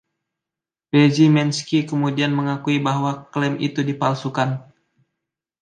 Bezymensky kemudian mengakui bahwa klaim itu dipalsukan.